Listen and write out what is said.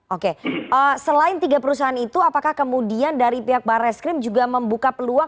oke selain tiga perusahaan itu apakah kemudian dari pihak barreskrim juga membuka peluang